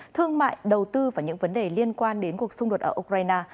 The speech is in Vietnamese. thương mại đầu tư và những vấn đề liên quan đến cuộc xung đột ở ukraine